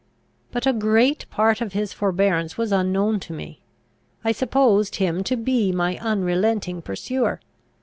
But a great part of his forbearance was unknown to me; I supposed him to be my unrelenting pursuer.